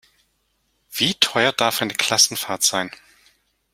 Wie teuer darf eine Klassenfahrt sein?